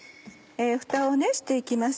フタをして行きます